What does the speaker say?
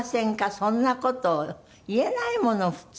そんな事を言えないもの普通。